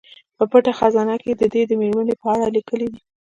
په پټه خزانه کې یې د دې میرمنې په اړه لیکلي دي.